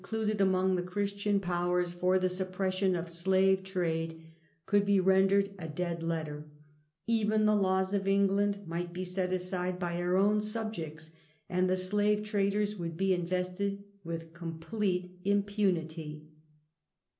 91 eonoladed among the Christian Powers for the suppression of sUre trade could be rendered a dead letter; even the laws of England might be set aside by her own subjects, and the slaye traders would be inyested with complete impunity.